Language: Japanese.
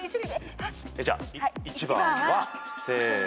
じゃあ１番はせーの。